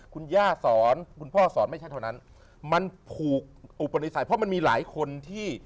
คุณย่าสอนคุณพ่อสอนไม่ใช่เท่านั้นมันผูกอุปนิสัยเพราะมันมีหลายคนที่